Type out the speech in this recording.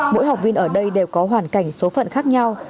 mỗi học viên ở đây đều có hoàn cảnh số phận khác nhau